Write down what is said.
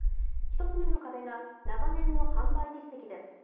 １つ目の壁が長年の販売実績です。